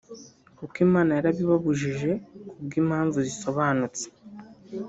kuko Imana yarabibujije ku bw’impamvu zisobanutse